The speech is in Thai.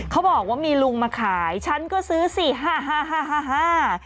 เขาบอกว่ามีลุงมาขายฉันก็ซื้อสิฮ่า